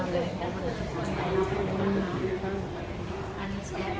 แล้วเวลาเมื่อไปมันเป็นสัญญาณเอง